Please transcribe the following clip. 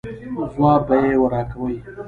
ځواب به یې راکوئ.